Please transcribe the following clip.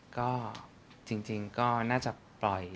ก็จริงก็น่าจะปล่อย